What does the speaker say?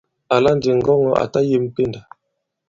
Àla ndi ŋgɔŋɔ̄ à ta yem pendà.